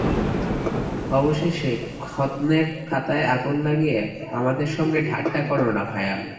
অবশেষে খতেনের খাতায় আগুন লাগিয়ে আমাদের সঙ্গে ঠাট্টা করো না, ভায়া।